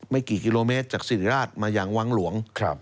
ไม่กี่กิโลเมตรจากสิริราชมายังวังหลวง